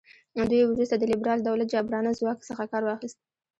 دوی وروسته د لیبرال دولت جابرانه ځواک څخه کار واخیست.